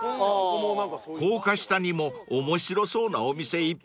［高架下にも面白そうなお店いっぱいありますね］